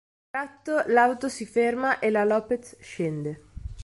Ad un tratto l'auto si ferma e la Lopez scende.